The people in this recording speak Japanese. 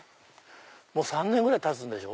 もう３年ぐらいたつんでしょ。